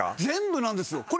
全部なんですよ。